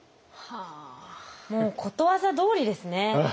もうことわざどおりですね。